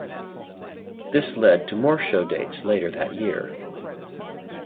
This led to more show dates later that year.